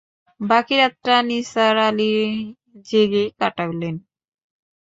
বাকি রাতটা নিসার আলি জেগেই কাটালেন।